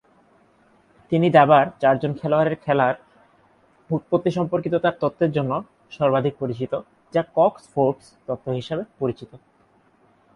তিনি দাবার "চারজন খেলোয়াড়ের খেলা"র উৎপত্তি সম্পর্কিত তার তত্ত্বের জন্য সর্বাধিক পরিচিত, যা কক্স-ফোর্বস তত্ত্ব হিসাবে পরিচিত।